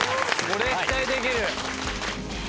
これ期待できる。